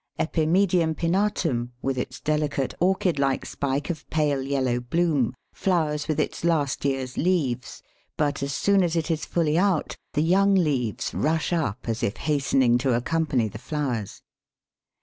Epimedium pinnatum, with its delicate, orchid like spike of pale yellow bloom, flowers with its last year's leaves, but as soon as it is fully out the young leaves rush up, as if hastening to accompany the flowers.